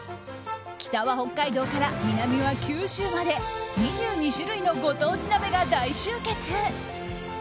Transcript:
北は北海道から、南は九州まで２２種類のご当地鍋が大集結。